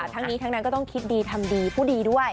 ทั้งนี้ทั้งนั้นก็ต้องคิดดีทำดีพูดดีด้วย